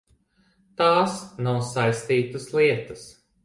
Tās nav saistītas lietas.